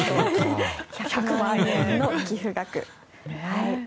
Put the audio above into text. １００万円の寄付額。